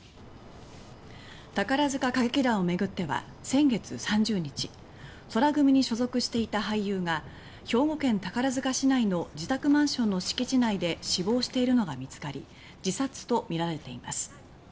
宝塚歌劇団を巡っては先月３０日宙組に所属していた俳優が兵庫県宝塚市内の自宅マンションの敷地内で死亡しているのが見つかり自殺とみられています。